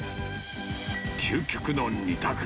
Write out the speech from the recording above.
究極の２択。